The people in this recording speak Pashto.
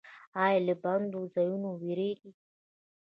ایا له بندو ځایونو ویریږئ؟